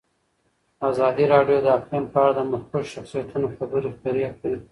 ازادي راډیو د اقلیم په اړه د مخکښو شخصیتونو خبرې خپرې کړي.